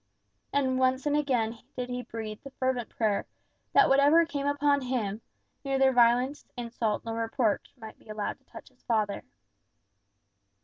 And once and again did he breathe the fervent prayer, that whatever came upon him, neither violence, insult, nor reproach might be allowed to touch his father.